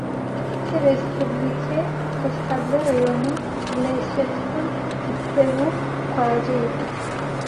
Tirêspublike Koşheble rayonım Blaşepsın ıts'eu khuace yit.